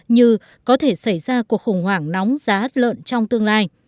như có thể xảy ra cuộc khủng hoảng nóng giá lợn trong tương lai